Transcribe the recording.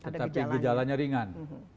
tetapi gejalanya ringan